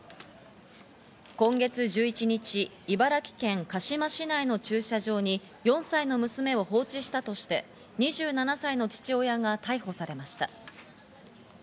今月１１日、茨城県鹿嶋市内の駐車場に４歳の娘を放置したとして、２７歳の父親が逮捕されました。